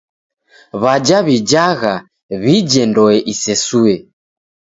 W'aja w'ijagha w'ije ndoe isesoe.